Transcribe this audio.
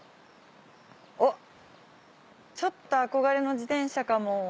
おっちょっと憧れの自転車かも。